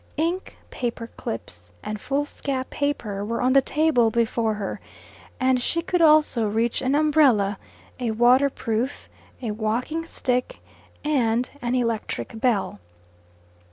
Ink, paperclips, and foolscap paper were on the table before her, and she could also reach an umbrella, a waterproof, a walking stick, and an electric bell.